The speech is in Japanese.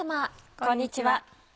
こんにちは。